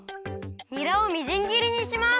にらをみじんぎりにします。